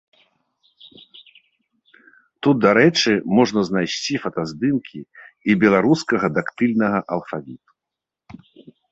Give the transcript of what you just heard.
Тут, дарэчы, можна знайсці фотаздымкі і беларускага дактыльнага алфавіту.